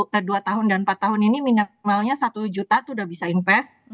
kedua tahun dan empat tahun ini minimalnya satu juta tuh udah bisa invest